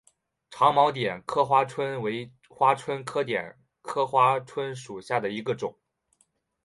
长毛点刻花蝽为花蝽科点刻花椿属下的一个种。